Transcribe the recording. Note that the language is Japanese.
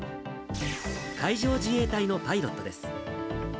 海上自衛隊のパイロットです。